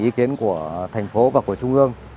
ý kiến của thành phố và của trung ương